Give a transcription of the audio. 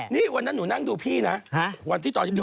นี่วันนั้นหนูนั่งดูพี่นะ